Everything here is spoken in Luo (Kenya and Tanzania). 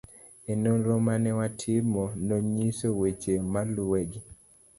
e Nonro ma ne watimo nonyiso weche maluwegi